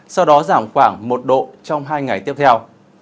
sau đó giảm khoảng một độ trong hai ngày tiếp theo